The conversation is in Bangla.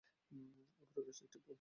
উপরে রয়েছে একটি ডোম।